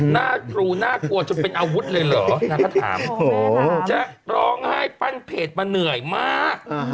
น่ากลัวจนเป็นอาวุธเลยเหรอจะร้องไห้ปั้นเพจมาเหนื่อยมาก